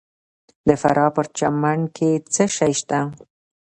د فراه په پرچمن کې څه شی شته؟